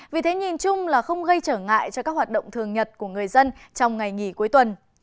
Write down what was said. vì thế nhìn chung là không gây trở ngại cho các hoạt động thường nhật của người dân trong ngày nghỉ cuối tuần